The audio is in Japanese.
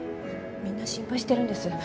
みんな心配してるんです。